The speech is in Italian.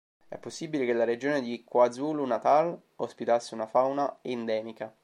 È possibile che la regione di KwaZulu-Natal ospitasse una fauna endemica.